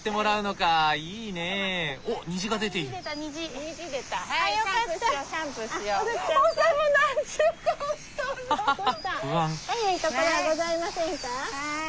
かゆいところはございませんか？